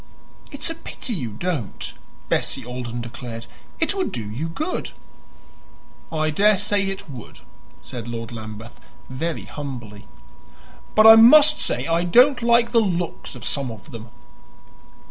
"It's a pity you don't," Bessie Alden declared. "It would do you good." "I daresay it would," said Lord Lambeth very humbly. "But I must say I don't like the looks of some of them."